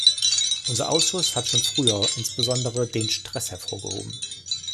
Unser Ausschuss hat schon früher insbesondere den Streß hervorgehoben.